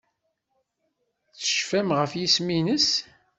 Tecfam ɣef yisem-nnes?